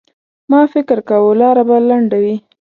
ما فکر کاوه لاره به لنډه وي.